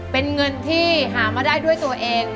เป็นเงินที่หามาได้ด้วยตัวเอง